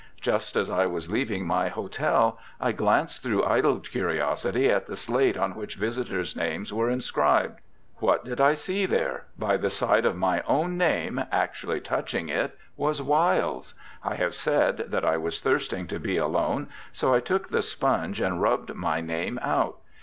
Just as I was leaving my hotel, I glanced, through idle curiosity, at the slate on which visitors' names were inscribed. What did I see there? By the side of my own name, actually touching it, was Wilde's. I have said that I was thirsting to be alone, so I took the sponge and rubbed my name out.